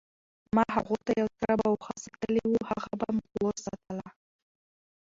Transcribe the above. ما هغو ته یوه څربه اوښه ساتلې وه، هغه به مې کور ساتله،